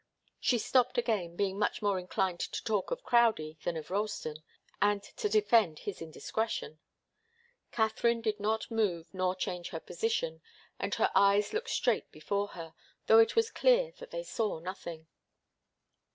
She stopped again, being much more inclined to talk of Crowdie than of Ralston, and to defend his indiscretion. Katharine did not move nor change her position, and her eyes looked straight before her, though it was clear that they saw nothing.